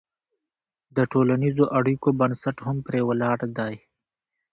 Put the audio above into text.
د ټولنیزو اړیکو بنسټ هم پرې ولاړ دی.